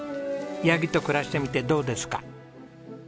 ヤギと暮らしてみてどうですか？